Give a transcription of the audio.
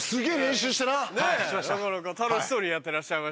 なかなか楽しそうにやってらっしゃいましたけど。